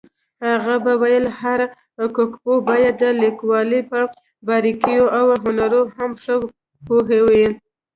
هغە به ویل هر حقوقپوه باید د لیکوالۍ په باريكييواو هنرونو هم ښه پوهوي.